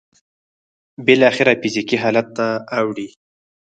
بالاخره فزيکي حالت ته اوړي.